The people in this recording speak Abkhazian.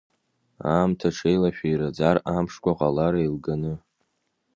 Аамҭа ҽеилашәа ираӡар, амшқәа ҟалар еилганы…